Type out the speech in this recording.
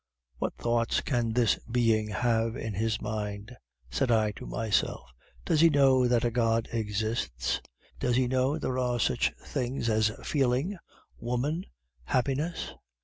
"'What thoughts can this being have in his mind?' said I to myself. 'Does he know that a God exists; does he know there are such things as feeling, woman, happiness?